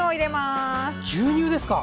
牛乳ですか？